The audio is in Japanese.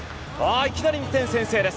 いきなり２点先制です。